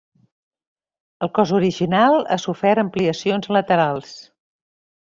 El cos original ha sofert ampliacions laterals.